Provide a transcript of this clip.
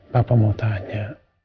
papa mau tanya